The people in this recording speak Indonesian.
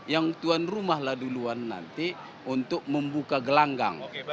yang tuan rumahlah duluan nanti untuk membuka gelanggang